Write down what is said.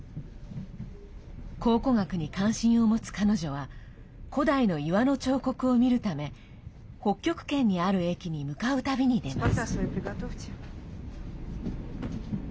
考古学に関心を持つ彼女は古代の岩の彫刻を見るため北極圏にある駅に向かう旅に出ます。